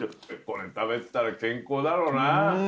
これ食べてたら健康だろうな。